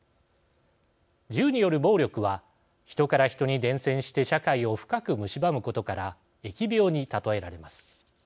銃による暴力は人から人に伝染して社会を深くむしばむことから疫病に例えられます。